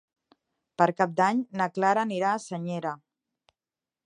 Per Cap d'Any na Clara anirà a Senyera.